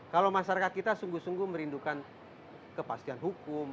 kalau masyarakat kita sungguh sungguh merindukan kepastian hukum